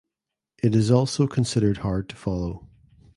It is also considered hard to follow.